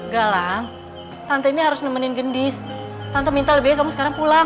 galang tante ini harus nemenin gendis tante minta lebihnya kamu sekarang pulang